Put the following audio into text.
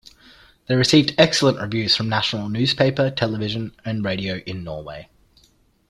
They received excellent reviews from national newspapers television and radio in Norway.